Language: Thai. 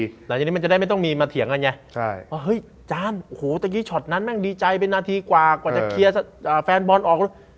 หลังจากนี้มันจะได้ไม่ต้องมีมาเถียงกันไงใช่ว่าเฮ้ยจานโอ้โหตะกี้ช็อตนั้นแม่งดีใจเป็นนาทีกว่ากว่าจะเคลียร์แฟนบอลออก